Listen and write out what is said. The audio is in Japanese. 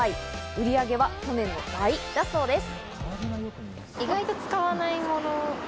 売上は去年の倍だそうです。